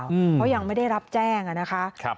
เพราะยังไม่ได้รับแจ้งนะคะ